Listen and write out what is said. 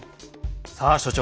さあ所長